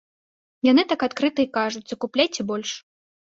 Яны так адкрыта і кажуць, закупляйце больш.